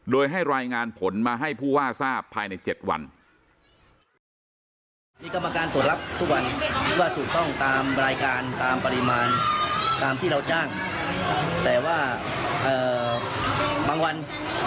โดยให้รายงานผลมาให้ผู้ว่าทราบภายใน๗วัน